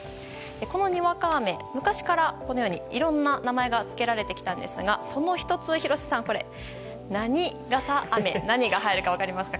このにわか雨昔からいろんな名前がつけられてきたんですがその１つ廣瀬さん、「〇笠雨」何が入るか分かりますか？